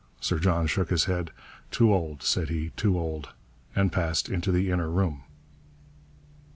Sir John shook his head. 'Too old,' said he, 'too old,' and passed into the inner room.